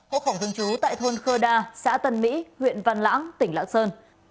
hỗ khẩu thường trú tại thôn khơ đa xã tân mỹ huyện văn lãng tỉnh lãng sơn